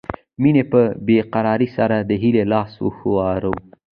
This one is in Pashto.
مينې په بې قرارۍ سره د هيلې لاس وښوراوه